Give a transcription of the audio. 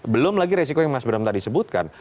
belum lagi resiko yang mas bram tadi sebutkan